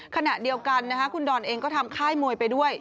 ขณะเดียวกันคุณดอนเองก็ทำค่ายมวยไปด้วย